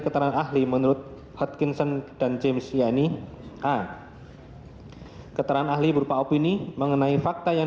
keterangan ahli menurut hotkinson dan james yani a keterangan ahli berupa opini mengenai fakta yang